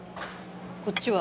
こっちは？